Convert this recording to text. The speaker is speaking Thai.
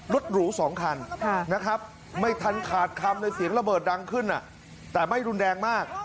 หรู๒คันนะครับไม่ทันขาดคำเลยเสียงระเบิดดังขึ้นแต่ไม่รุนแรงมาก